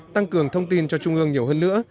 tăng cường thông tin cho trung ương nhiều hơn nữa